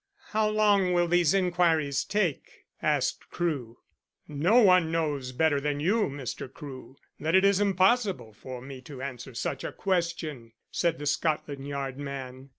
"How long will these inquiries take?" asked Crewe. "No one knows better than you, Mr. Crewe, that it is impossible for me to answer such a question," said the Scotland Yard man.